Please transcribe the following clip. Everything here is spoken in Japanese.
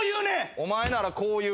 お前ならこう言う。